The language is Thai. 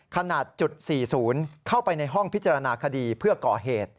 ขนาดจุด๔๐เข้าไปในห้องพิจารณาคดีเพื่อก่อเหตุ